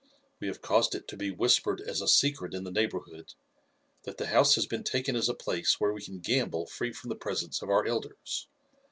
We have caused it to be whispered as a secret in the neighbourhood, that the house has been taken as a place where we can gamble free from the presence of our elders.